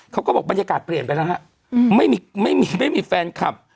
เขาก็บอกบรรยากาศเปลี่ยนไปแล้วฮะไม่มีไม่มีแฟนคลับ